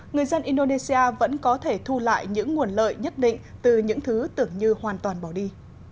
người dân indonesia vẫn có thể thu lại những nguồn lợi nhất định từ những thứ tưởng như hoàn toàn bỏ đi